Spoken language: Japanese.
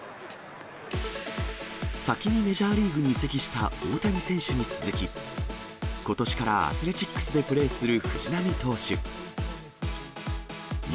先にメジャーリーグに移籍した大谷選手に続き、ことしからアスレチックスでプレーする藤浪投手。